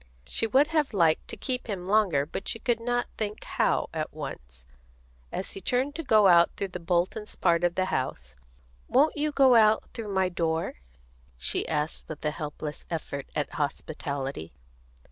She would have liked to keep him longer, but she could not think how, at once. As he turned to go out through the Boltons' part of the house, "Won't you go out through my door?" she asked, with a helpless effort at hospitality.